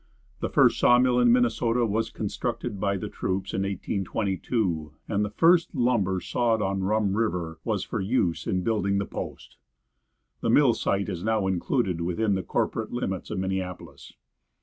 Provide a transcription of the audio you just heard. The first saw mill in Minnesota was constructed by the troops in 1822, and the first lumber sawed on Rum river was for use in building the post. The mill site is now included within the corporate limits of Minneapolis.